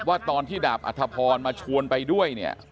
ว่าตอนที่ดาบอัธพรมาชวนไปด้วยเนี่ย